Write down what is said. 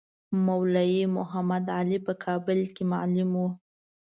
مولوی محمدعلي په کابل کې معلم وو.